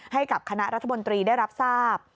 ให้กับคณะรัฐมนตรีได้รับทราบ